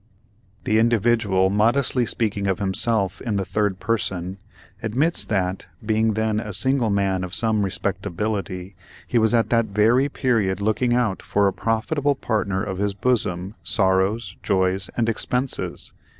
The "Individual," modestly speaking of himself in the third person, admits that, being then a single man of some respectability, he was at that very period looking out for a profitable partner of his bosom, sorrows, joys, and expenses.